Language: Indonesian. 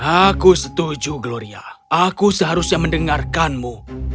aku setuju gloria aku seharusnya mendengarkanmu